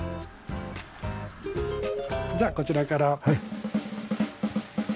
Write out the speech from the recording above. じゃあこちらから。